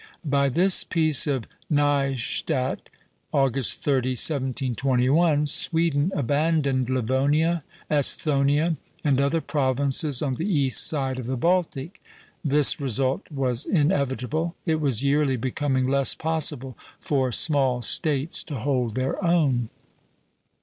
By this Peace of Nystadt, August 30, 1721, Sweden abandoned Livonia, Esthonia, and other provinces on the east side of the Baltic. This result was inevitable; it was yearly becoming less possible for small States to hold their own.